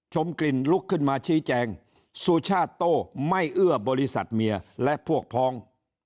ชมกลิ่นลุกขึ้นมาชี้แจงสุชาติโต้ไม่เอื้อบริษัทเมียและพวกพ้อง